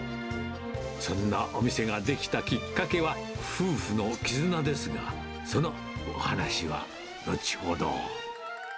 そんなお店が出来たきっかけは、夫婦の絆ですが、そのお話は後ほど。